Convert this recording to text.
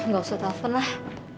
gak usah telepon lah